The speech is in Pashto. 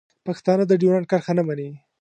پښتانه ډیورنډ کرښه نه مني.